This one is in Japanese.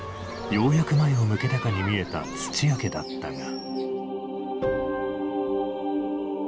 ようやく前を向けたかに見えた土屋家だったが。